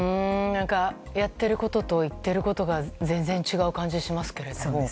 やってることと言ってることが全然違う感じがしますが。